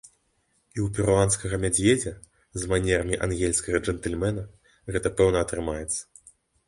І ў перуанскага мядзведзя з манерамі ангельскага джэнтльмена гэта пэўна атрымаецца!